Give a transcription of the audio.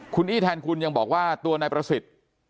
คุณอี้แทนคุณยังบอกว่าตัวนายประสิทธิ์